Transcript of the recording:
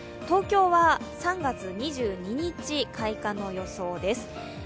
東京は３月２２日開花の予想です。